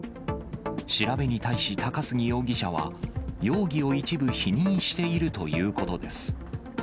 調べに対し、高杉容疑者は容疑を一部否認しているということです。